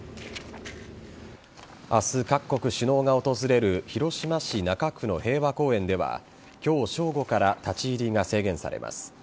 明日、各国首脳が訪れる広島市中区の平和公園では今日正午から立ち入りが制限されます。